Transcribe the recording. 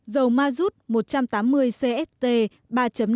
dầu majut một trăm tám mươi cst ba năm s tăng năm mươi bảy đồng một lít